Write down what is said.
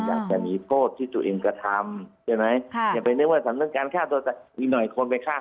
อย่าหงี้โฆษการที่ถึงกระทำ